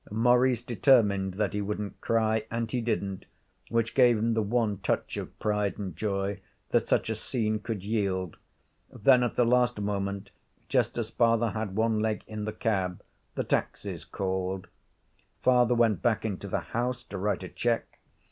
Maurice determined that he wouldn't cry and he didn't, which gave him the one touch of pride and joy that such a scene could yield. Then at the last moment, just as father had one leg in the cab, the Taxes called. Father went back into the house to write a cheque.